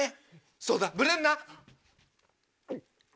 そうだブレんな。